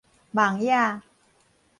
網驛